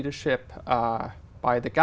từ bắt đầu